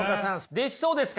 できそうですか？